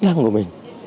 chức năng của mình